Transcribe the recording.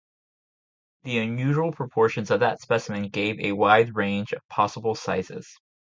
The unusual proportions of that specimen gave a wide range of possible sizes.